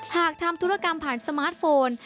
หากทำธุรกรรมผ่านสมาร์ทโฟน